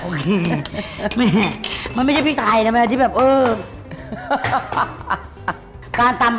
โอเคแม่มันไม่ใช่พริกไทยน่ะมันอาจจะแบบเออ